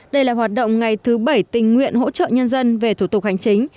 đây là hoạt động ngày thứ bảy tình nguyện hỗ trợ nhân dân về thủ tục hành chính